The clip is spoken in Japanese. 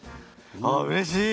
あうれしい！